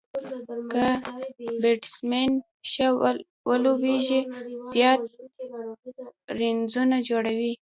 که بيټسمېن ښه ولوبېږي، زیات رنزونه جوړوي.